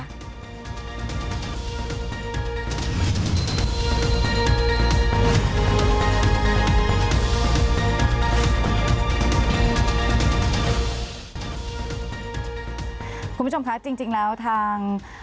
คุณผู้ชมคะจริงแล้วทาง